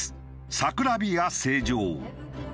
サクラビア成城。